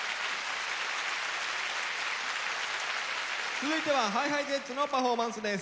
続いてはＨｉＨｉＪｅｔｓのパフォーマンスです。